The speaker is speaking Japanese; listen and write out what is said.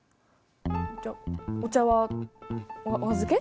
じゃあお茶はおあずけ？